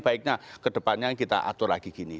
baiknya kedepannya kita atur lagi gini